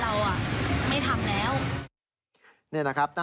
เราก็เลยบอกเขาว่าเราไม่ทำแล้ว